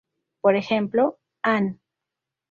Por ejemplo, "An.